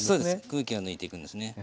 空気を抜いていくんですね。